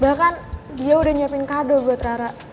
bahkan dia udah nyiapin kado buat rara